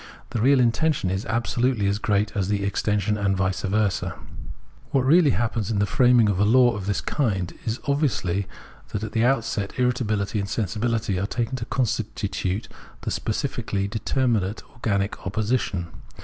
The real intension is absolutely as great as the extension and vice versa. What really happens in framing a law of this kind is obviously that at the outset irritability and sensibihty are taken to constitute the specifically determinate organic opposition.